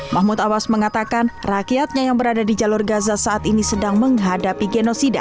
mahmud awas mengatakan rakyatnya yang berada di jalur gaza saat ini sedang menghadapi genosida